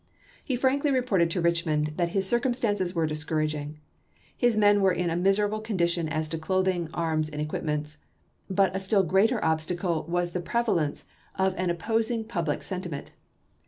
He frankly reported to Richmond that his circumstances were discourag ing. His men were in a miserable condition as to clothing, arms, and equipments. But a still greater obstacle was the prevalence of an opposing public sentiment.